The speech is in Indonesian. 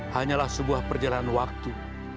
hanyalah sebuah perjalanan waktu